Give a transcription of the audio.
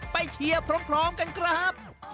เชียร์พร้อมกันครับ